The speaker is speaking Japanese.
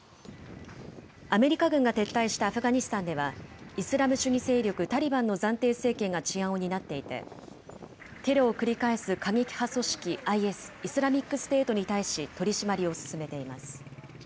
アメリカ軍が撤退したアフガニスタンでは、イスラム主義勢力タリバンの暫定政権が治安を担っていて、テロを繰り返す過激派組織ＩＳ・イスラミックステートに対し、取締りを進めています。